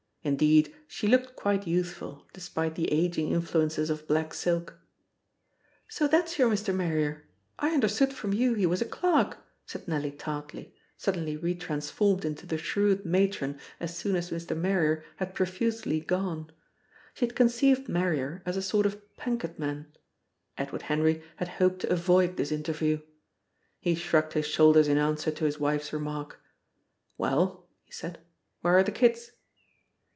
Indeed, she looked quite youthful, despite the aging influences of black silk. "So that's your Mr. Marrier! I understood from you he was a clerk!" said Nellie tartly, suddenly retransformed into the shrewd matron as soon as Mr. Marrier had profusely gone. She had conceived Marrier as a sort of Penkethman. Edward Henry had hoped to avoid this interview. He shrugged his shoulders in answer to his wife's remark. "Well," he said, "where are the kids?"